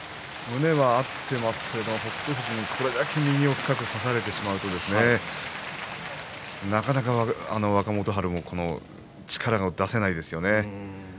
胸は合っていますけれども北勝富士にこれだけ右を深く差されてしまうとなかなか若元春も力が出せないんですよね。